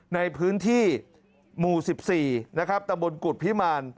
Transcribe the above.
ในพื้นที่หมู่๑๔ตะบนกุฎพิมาร